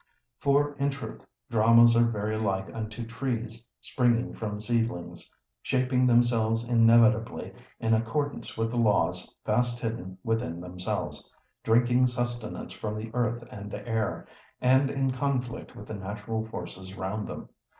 For, in truth, dramas are very like unto trees, springing from seedlings, shaping themselves inevitably in accordance with the laws fast hidden within themselves, drinking sustenance from the earth and air, and in conflict with the natural forces round them.